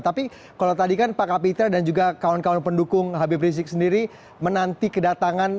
tapi kalau tadi kan pak kapitra dan juga kawan kawan pendukung habib rizik sendiri menanti kedatangan